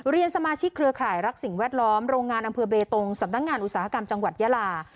สมาชิกเครือข่ายรักสิ่งแวดล้อมโรงงานอำเภอเบตงสำนักงานอุตสาหกรรมจังหวัดยาลา